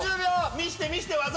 見せて見せて技！